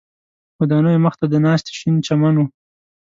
ودانیو مخ ته د ناستي شین چمن و.